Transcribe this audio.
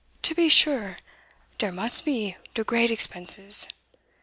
to be sure dere must be de great expenses.